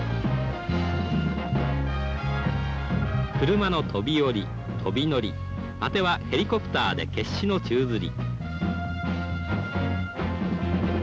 車の飛び降り、飛び乗り、果てはヘリコプターで決死の宙づり。